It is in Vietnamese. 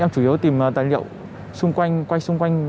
em chủ yếu tìm tài liệu xung quanh quay xung quanh